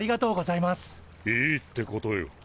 いいってことよ。